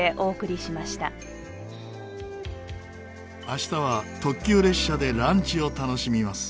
明日は特急列車でランチを楽しみます。